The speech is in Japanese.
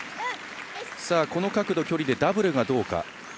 この角度、距離でダブルがどうか。